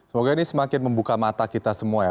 semoga ini semakin membuka mata kita semua ya